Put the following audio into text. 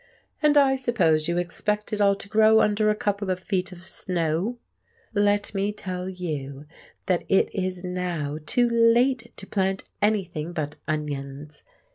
"And I suppose you expect it all to grow under a couple of feet of snow. Let me tell you that it is now too late to plant anything but onions!